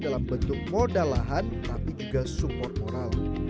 dalam bentuk modalahan tapi juga support modelnya